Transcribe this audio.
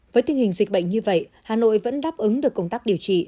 với tình hình dịch bệnh như vậy hà nội vẫn đáp ứng được công tác điều trị